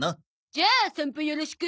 じゃあ散歩よろしく。